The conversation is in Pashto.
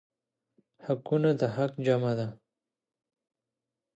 حقونه د حق جمع ده.